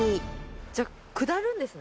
じゃあ下るんですね。